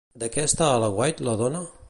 De què està a l'aguait la dona?